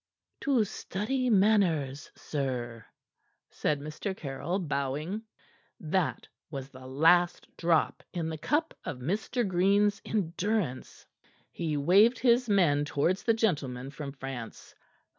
"To study manners, sir," said Mr. Caryll, bowing. That was the last drop in the cup of Mr. Green's endurance. He waved his men towards the gentleman from France.